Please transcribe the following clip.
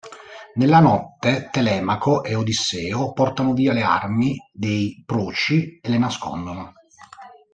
Nella notte, Telemaco e Odisseo portano via le armi dei Proci e le nascondono.